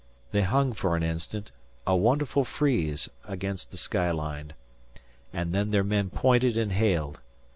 They hung for an instant, a wonderful frieze against the sky line, and their men pointed and hailed.